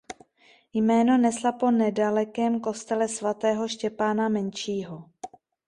Jméno nesla po nedalekém kostele svatého Štěpána Menšího.